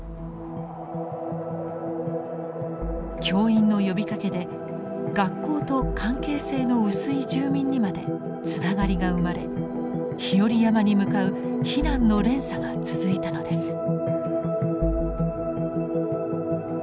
教員の呼びかけで学校と関係性の薄い住民にまでつながりが生まれ日和山に向かう避難の連鎖が続いたのです。